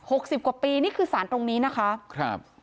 สิบกว่าปีนี่คือสารตรงนี้นะคะครับ